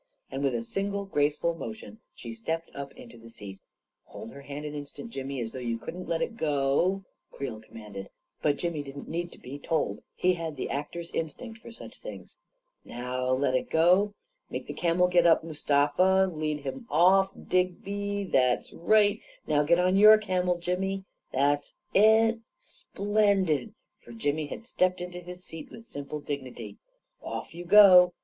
And with a single grace ful motion, she stepped up into the seat. " Hold her hand an instant, Jimmy, as though you couldn't let it go," Creel commanded; but Jimmy didn't need to be told — he had the actor's instinct for such things !" Now let it go — make the camel A KING IN BABYLON 155 get up, Mustafa — lead him off, Digby — that's right. Now get on your camel, Jimmy ! That's it I Splendid !" for Jimmy had stepped into his seat with simple dignity. "Off you go!